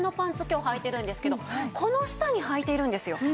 今日はいてるんですけどこの下にはいているんですよ。